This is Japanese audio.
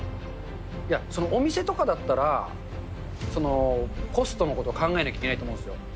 いや、お店とかだったら、コストのことも考えなきゃいけないと思うんですよ。